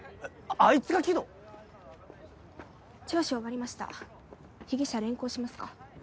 あいつが鬼道⁉聴取終わりました被疑者連行しますか？